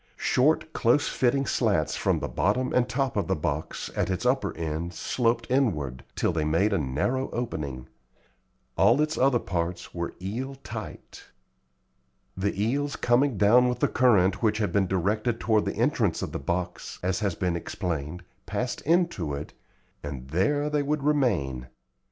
Short, close fitting slats from the bottom and top of the box, at its upper end, sloped inward, till they made a narrow opening. All its other parts were eel tight. The eels coming down with the current which had been directed toward the entrance of the box, as has been explained, passed into it, and there they would remain.